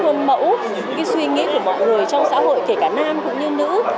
những suy nghĩ của mọi người trong xã hội kể cả nam cũng như nữ